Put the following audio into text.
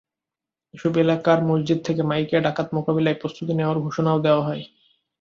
এসব এলাকার মসজিদ থেকে মাইকে ডাকাত মোকাবিলায় প্রস্তুতি নেওয়ার ঘোষণাও দেওয়া হয়।